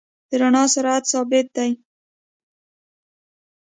د رڼا سرعت ثابت دی.